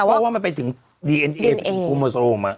เพราะว่ามันไปถึงดีเอ็นเอไปถึงโคโมโซม